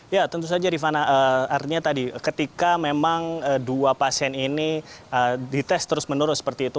ya tentu saja rifana artinya tadi ketika memang dua pasien ini dites terus menerus seperti itu